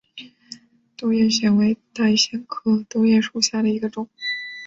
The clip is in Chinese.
兜叶藓为带藓科兜叶藓属下的一个种。